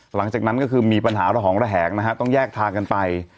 หลังจากนั้นก็คือมีปัญหาระหองระแหงนะฮะต้องแยกทางกันไป